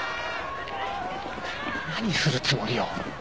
何するつもりよ？